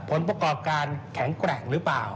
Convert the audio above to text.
ผลประกอบการแข็งแกร่งหรือเปล่า